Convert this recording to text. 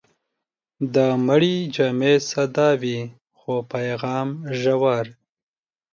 د مړي جامې ساده وي، خو پیغام ژور.